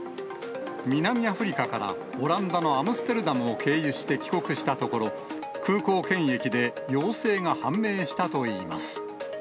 南アフリカからオランダのアムステルダムを経由して帰国したところ、空港検疫で陽性が判明したといいます。